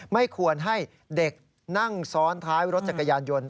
ไม่ควรให้เด็กนั่งซ้อนท้ายรถจักรยานยนต์